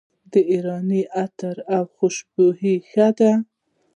د ایران عطر او خوشبویي ښه ده.